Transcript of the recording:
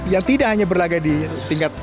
yang tidak hanya berlagak di tingkat